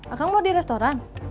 akang mau di restoran